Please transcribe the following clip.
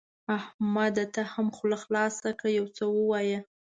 احمده ته هم خوله خلاصه کړه؛ يو څه ووايه.